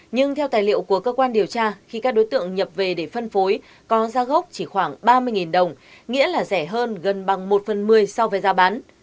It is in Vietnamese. nhưng theo tài liệu của cơ quan điều tra khi các đối tượng nhập về để phân phối có ra gốc chỉ khoảng ba mươi đồng nghĩa là rẻ hơn gần bằng một phần một mươi so với giá bán